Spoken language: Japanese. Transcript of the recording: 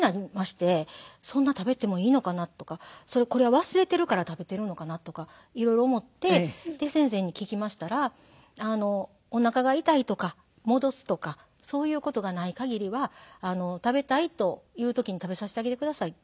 そんな食べてもいいのかなとかこれは忘れているから食べているのかなとか色々思って先生に聞きましたら「おなかが痛いとか戻すとかそういう事がない限りは食べたいという時に食べさせてあげてください」って。